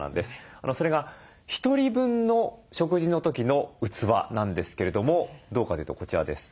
それが１人分の食事の時の器なんですけれどもどうかというとこちらです。